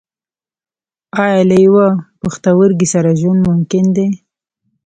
ایا له یوه پښتورګي سره ژوند ممکن دی